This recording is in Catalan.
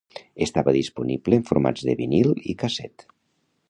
Estava disponible en formats de vinil i casset.